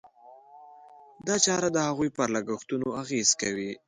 دا چاره د هغوی پر لګښتونو اغېز کوي.